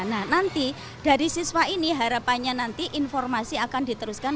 nah nanti dari siswa ini harapannya nanti informasi akan diteruskan